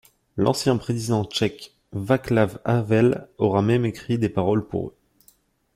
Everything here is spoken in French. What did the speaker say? L'ancien président tchèque Václav Havel aura même écrit des paroles pour eux.